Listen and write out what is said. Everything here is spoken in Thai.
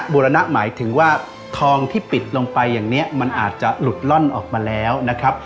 รณะหมายถึงว่าทองที่ปิดลงไปอย่างนี้มันอาจจะหลุดล่อนออกมาแล้วนะครับ